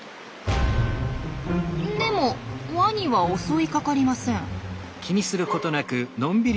でもワニは襲いかかりません。